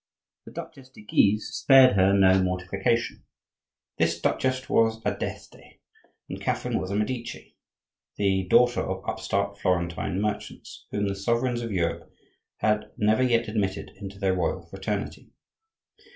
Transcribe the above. The Duchesse de Guise spared her no mortification. This duchesse was a d'Este, and Catherine was a Medici, the daughter of upstart Florentine merchants, whom the sovereigns of Europe had never yet admitted into their royal fraternity.